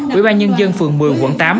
quỹ ban nhân dân phường một mươi quận tám